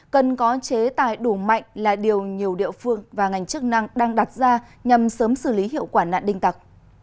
cần có chế tài đủ mạnh là điều nhiều địa phương và ngành chức năng đang đặt ra nhằm sớm xử lý hiệu quả nạn đinh tặc